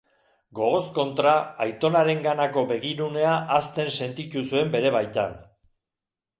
Gogoz kontra, aitonarenganako begirunea hazten sentitu zuen bere baitan.